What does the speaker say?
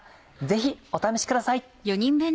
ぜひお試しください。